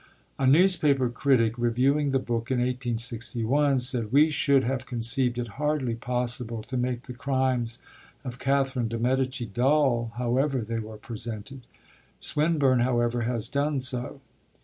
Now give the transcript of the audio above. A newspaper critic, reviewing the book in 1861, said: 'We should have conceived it hardly possible to make the crimes of Catherine de' Medici dull, however they were presented. Swinburne, however, has done so.'